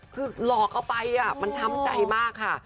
คือหลอกเอาไปมันช้ำใจมากค่ะ